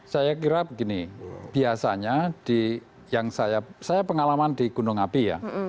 saya kira begini biasanya saya pengalaman di gunung api ya